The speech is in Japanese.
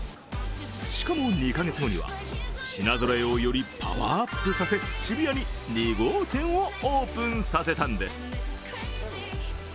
しかも２カ月後には品ぞろえをよりパワーアップさせ渋谷に２号店をオープンさせたんです。